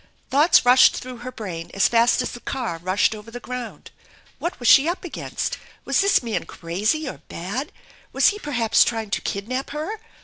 Thoughts rushed through her brain as fast as the car rushed over the ground. What was she up against? Was this man crazy or bad? Was he perhaps trying to kidnap her?